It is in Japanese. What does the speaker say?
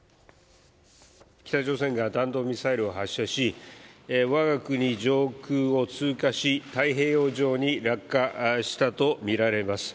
北朝鮮が弾道ミサイルを発射しわが国上空を通過し、太平洋上に落下したと見られます。